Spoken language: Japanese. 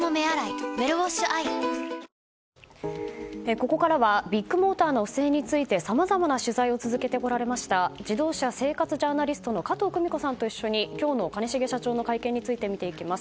ここからはビッグモーターの不正についてさまざまな取材を続けてこられました自動車生活ジャーナリストの加藤久美子さんと一緒に今日の兼重社長の会見について見ていきます。